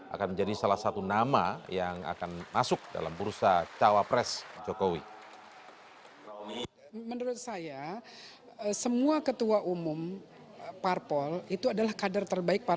akan menjadi salah satu nama yang akan diperhentikan